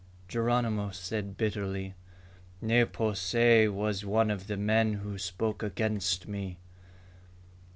Geronimo said bitterly, "Ne po se was one of the men who spoke against me."